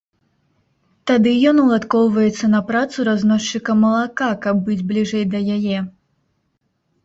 Тады ён уладкоўваецца на працу разносчыкам малака, каб быць бліжэй да яе.